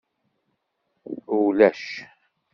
Ulac.